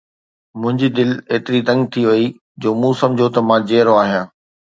منهنجي دل ايتري تنگ ٿي وئي جو مون سمجهيو ته مان جيئرو آهيان